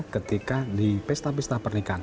ketika di pesta pesta pernikahan